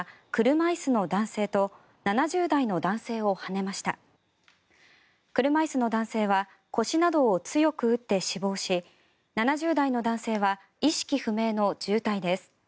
車椅子の男性は腰などを強く打って死亡し７０代の男性は意識不明の重体です。